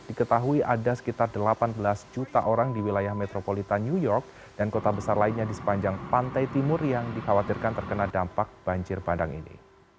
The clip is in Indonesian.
diketahui ada sekitar delapan belas juta orang di wilayah metropolitan new york dan kota besar lainnya di sepanjang pantai timur yang dikhawatirkan terkena dampak banjir bandang ini